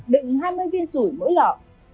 đựng hai mươi viên sủi mỗi lọ